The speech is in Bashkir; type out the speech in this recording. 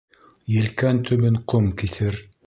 Елкән төбөн ҡом киҫер.